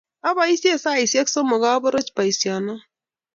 Apoisye saisyek somok aporoch poisyono